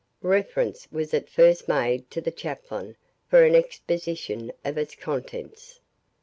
Reference was at first made to the chaplain for an exposition of its contents.